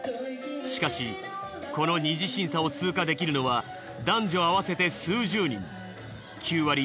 しかしこの二次審査を通過できるのは男女合わせて数十人。